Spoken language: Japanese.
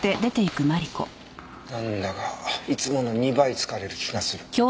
なんだかいつもの２倍疲れる気がする。